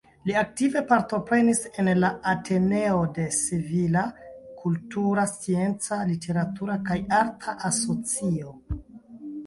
Li aktive partoprenis en la "Ateneo de Sevilla", kultura, scienca, literatura kaj arta asocio.